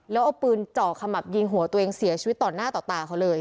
แล้วเอาปืนเจาะขมับยิงหัวตัวเองเสียชีวิตต่อหน้าต่อตาเขาเลย